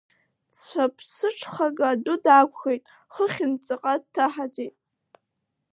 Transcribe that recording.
Дцәаԥҽыгаха адәы даақәхеит, хыхьынтә ҵаҟа дҭаҳаӡеит.